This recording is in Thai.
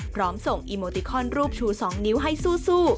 พร้อมส่งอีโมติคอนรูปชู๒นิ้วให้สู้